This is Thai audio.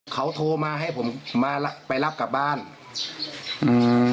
เขาโทรมาให้ผมมาไปรับกลับบ้านอืม